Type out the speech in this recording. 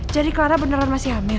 jadi clara beneran masih hamil